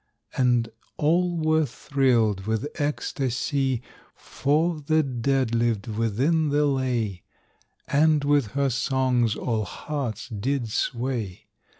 And all were thrilled with ecstasy, For the dead lived within the lay, And with her songs all hearts did sway.